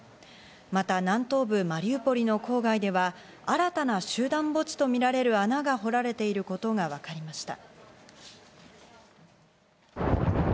また、南東部マリウポリの郊外では、新たな集団墓地とみられる穴が掘られていることがわかりました。